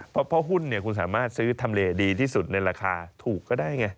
เพราะหุ้นคุณสามารถซื้อทำเลดีที่สุดในราคาถูกก็ได้ไง